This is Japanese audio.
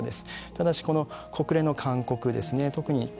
ただし、国連の勧告ですね